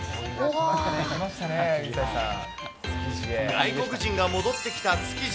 外国人が戻ってきた築地。